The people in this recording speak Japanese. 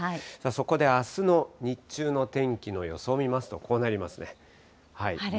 そこであすの日中の天気の予想を見ますとこうなりますね。